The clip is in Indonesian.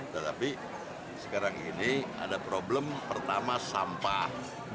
tetapi sekarang ini ada problem pertama sampah